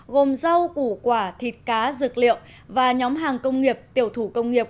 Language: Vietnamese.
gồm rau củ quả thịt cá dược liệu và nhóm hàng công nghiệp tiểu thủ công nghiệp